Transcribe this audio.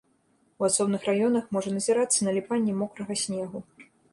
У асобных раёнах можа назірацца наліпанне мокрага снегу.